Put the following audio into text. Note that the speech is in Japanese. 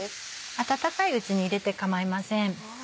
温かいうちに入れて構いません。